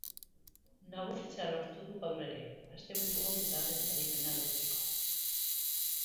Nagusitzea lortu du gaur ere, asteburuko bigarren garaipena lortzeko.